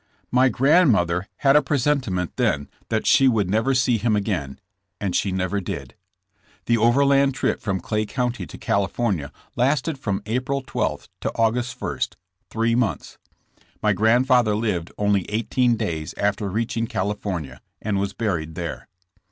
My grandmother had a presentiment then that she would never see him again, and she never did. The overland trip from Clay County to California lasted from April 12 to August 1, three months. My grandfather lived only eighteen days after reaching California, and was buried there.